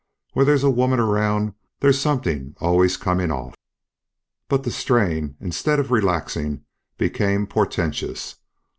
When there's a woman around there's somethin' allus comin' off." But the strain, instead of relaxing, became portentous.